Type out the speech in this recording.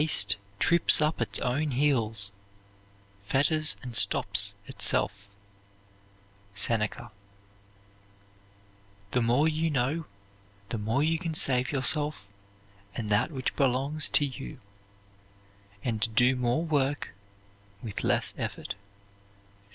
Haste trips up its own heels, fetters and stops itself. SENECA. The more you know, the more you can save yourself and that which belongs to you, and do more work with less effort.